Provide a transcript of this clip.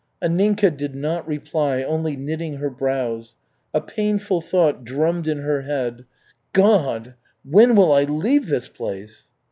Anninka did not reply, only knitting her brows. A painful thought drummed in her head, "God, when will I leave this place?"